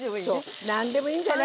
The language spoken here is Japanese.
何でもいいんじゃない。